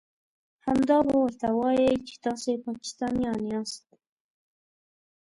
همدا به ورته وايئ چې تاسې پاکستانيان ياست.